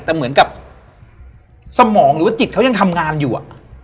แต่เหมือนกับสมองหรือว่าจิตเขายังทำงานอยู่